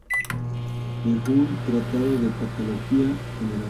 Dejó un Tratado de patología general.